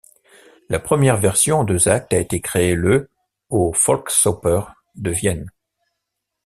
La première version en deux actes a été créé le au Volksoper de Vienne.